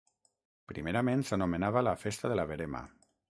Primerament s'anomenava la festa de la verema.